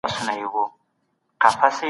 موږ بايد د سياست په اړه علمي بنسټونه وڅېړو.